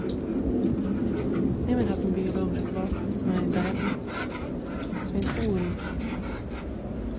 Nimmen hat in biologyske klok mei in deilingte fan persiis fjouwerentweintich oeren.